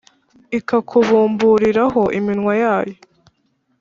ikakubumburiraho iminwa yayo,